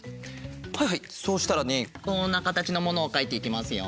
はいはいそうしたらねこんなかたちのものをかいていきますよ。